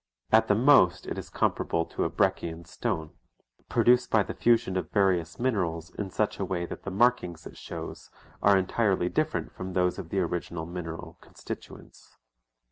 At the most it is comparable to a Breccian stone, produced by the fusion of various minerals in such a way that the markings it shows are entirely different from those of the original mineral constituents.